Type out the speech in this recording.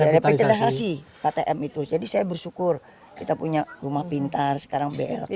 revitalisasi ktm itu jadi saya bersyukur kita punya rumah pintar sekarang blk nya